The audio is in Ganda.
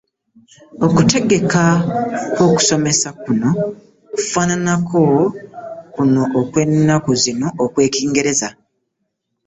Okutegeka kw’okusomesa kuno kufaananako na kuno okw’ennaku zino okw’Ekingereza.